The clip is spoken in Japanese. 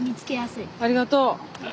ありがとう。